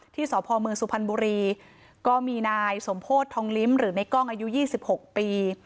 สพเมืองสุพรรณบุรีก็มีนายสมโพธิทองลิ้มหรือในกล้องอายุ๒๖ปี